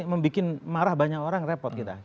membuat marah banyak orang repot kita